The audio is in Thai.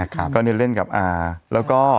ก็เล่นกับอา